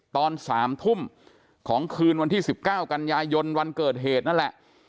ตอน๓ทุ่มของคืนวันที่๑๙กันยายนวันเกิดเหตุนั่นแหละ